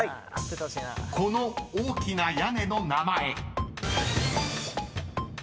［この大きな屋根の名前］